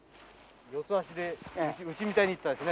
四つ足で牛みたいに行ったですね